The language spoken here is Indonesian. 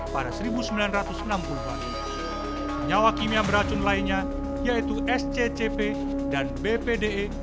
pada seribu sembilan ratus enam puluh bali nyawa kimia beracun lainnya yaitu sccp dan bpde